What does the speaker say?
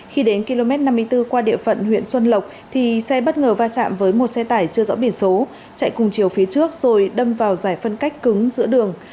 khi đến km năm mươi bốn qua địa phận huyện xuân lộc thì xe bất ngờ va chạm với một xe tải chưa rõ biển số chạy cùng chiều phía trước rồi đâm vào giải phân cách cứng giữa đường